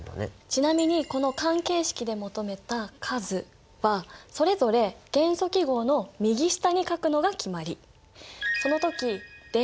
ちなみにこの関係式で求めた数はそれぞれ元素記号の右下に書くのが決まり。